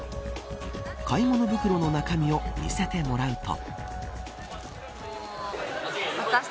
買い物袋の中身を見せてもらうと。